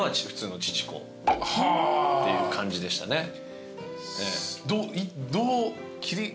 っていう感じでしたね。